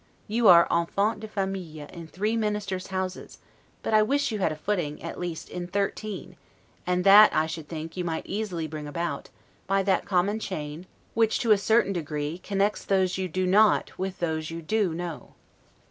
You are 'enfant de famille' in three ministers' houses; but I wish you had a footing, at least, in thirteen and that, I should think, you might easily bring about, by that common chain, which, to a certain degree, connects those you do not with those you do know.